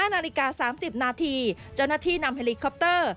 นาฬิกา๓๐นาทีเจ้าหน้าที่นำเฮลิคอปเตอร์